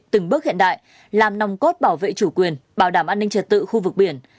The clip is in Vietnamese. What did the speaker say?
từng bước hiện đại làm nòng cốt bảo vệ chủ quyền bảo đảm an ninh trật tự khu vực biển